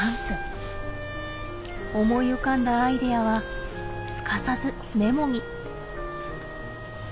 思い浮かんだアイデアはすかさずメモに。